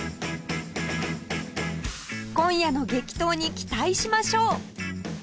今夜の激闘に期待しましょう！